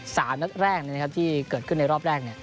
สามนัดแรกที่เกิดขึ้นในรอบแรก